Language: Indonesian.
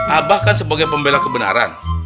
abah kan sebagai pembela kebenaran